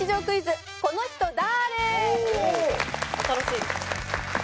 新しい。